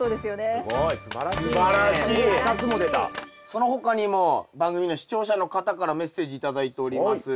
その他にも番組の視聴者の方からメッセージ頂いております。